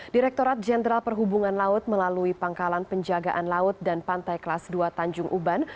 direkturat jenderal perhubungan laut melalui pangkalan penjagaan laut dan pantai kelas dua tanjung uban